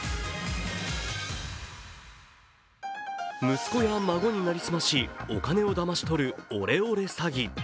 息子や孫に成り済まし、お金をだまし取るオレオレ詐欺。